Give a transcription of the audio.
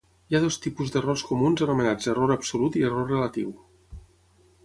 Hi ha dos tipus d'errors comuns anomenats error absolut i error relatiu.